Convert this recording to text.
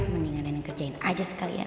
mendingan nenek kerjain aja sekalian